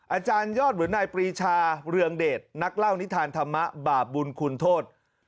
อาจารยอดหรือนายปรีชาเรืองเดชนักเล่านิทานธรรมะบาปบุญคุณโทษ